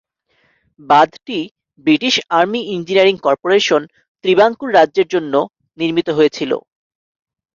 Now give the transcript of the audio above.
বাঁধটি British army engineering corporation Travancore রাজ্যের জন্য নির্মিত হয়েছিল।